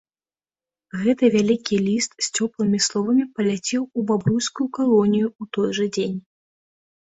Гэты вялікі ліст з цёплымі словамі паляцеў у бабруйскую калонію ў той жа дзень.